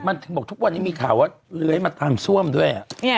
มันบอกทุกวันนี้มีข่าวอะเลยมาตามซ่วมด้วย